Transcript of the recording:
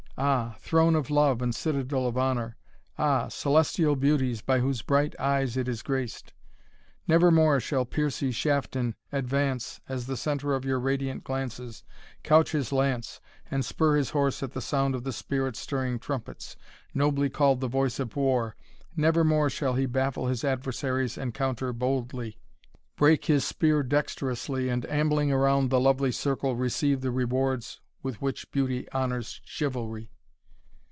Ah! throne of love, and citadel of honour! Ah! celestial beauties, by whose bright eyes it is graced! Never more shall Piercie Shafton advance, as the centre of your radiant glances, couch his lance, and spur his horse at the sound of the spirit stirring trumpets, nobly called the voice of war never more shall he baffle his adversary's encounter boldly, break his spear dexterously, and ambling around the lovely circle, receive the rewards with which beauty honours chivalry!"